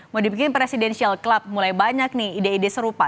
mau dibikin presidential club mulai banyak nih ide ide serupa